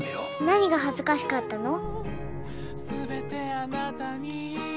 何が恥ずかしかったの？